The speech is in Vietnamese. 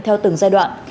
theo từng giai đoạn